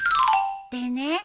でね